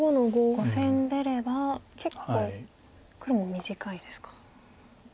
５線出れば結構黒も短いですか。